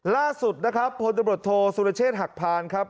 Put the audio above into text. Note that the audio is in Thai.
ล่าสุดนะครับพลตำรวจโทษสุรเชษฐ์หักพานครับ